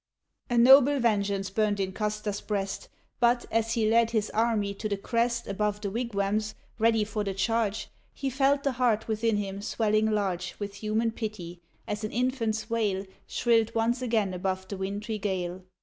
A noble vengeance burned in Custer's breast, But, as he led his army to the crest, Above the wigwams, ready for the charge He felt the heart within him, swelling large With human pity, as an infant's wail Shrilled once again above the wintry gale.